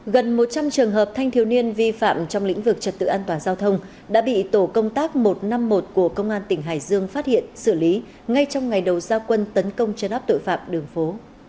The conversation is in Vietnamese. gần một trăm linh trường hợp thanh thiếu niên vi phạm trong lĩnh vực trật tự an toàn giao thông đã bị tổ công tác một trăm năm mươi một của công an tỉnh hải dương phát hiện xử lý ngay trong ngày đầu giao quân tấn công chấn áp tội phạm đường phố